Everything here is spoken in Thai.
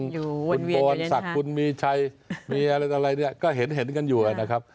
คุณโปรนศักดิ์คุณมีชัยก็เห็นกันอยู่นะครับ